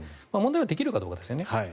問題はできるかどうかですよね。